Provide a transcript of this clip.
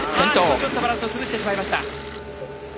っと、ちょっとバランスを崩してしまいました！